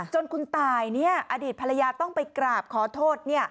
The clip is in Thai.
จนคุณตายอดีตภรรยาต้องไปกราบขอโทษ